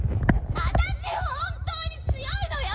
あたし本当に強いのよ！